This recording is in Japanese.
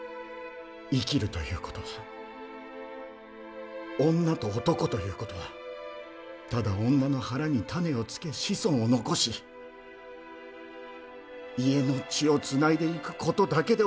生きるということは女と男ということはただ女の腹に種をつけ子孫を残し家の血をつないでいくことだけではありますまい！